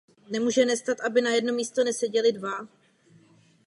Řešením by mohly být obchody nabízející netradiční zboží a přeměna kanceláří na byty.